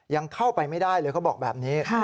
ยังเข้าไปไม่ได้เลยเขาบอกแบบนี้